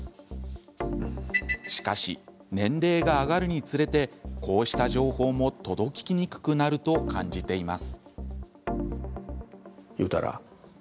しかし、年齢が上がるにつれてこうした情報も届きにくくなると感じています。